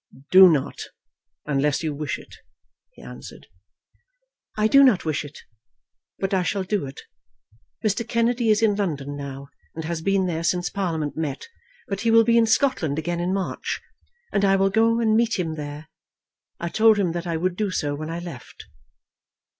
"Do not, unless you wish it," he answered. "I do not wish it. But I shall do it. Mr. Kennedy is in London now, and has been there since Parliament met, but he will be in Scotland again in March, and I will go and meet him there. I told him that I would do so when I left."